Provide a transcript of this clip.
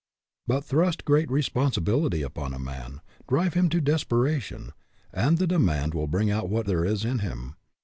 But thrust great responsibility upon a man, drive him to desperation, and the demand will bring out what there is in him.